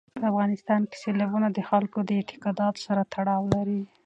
په افغانستان کې سیلابونه د خلکو د اعتقاداتو سره تړاو لري.